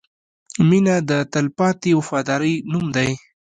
• مینه د تلپاتې وفادارۍ نوم دی.